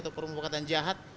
atau perumpakatan jahat